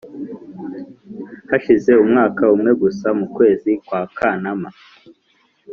hashize umwaka umwe gusa mu kwezi kwa kanama